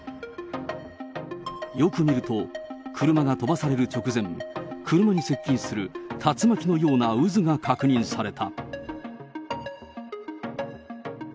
よく見ると、車が飛ばされる直前、車に接近する竜巻のような渦が確認された。